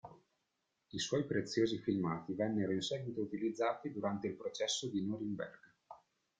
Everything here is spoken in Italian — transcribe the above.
I suoi preziosi filmati vennero in seguito utilizzati durante il Processo di Norimberga.